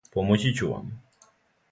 Помоћи ћу вам.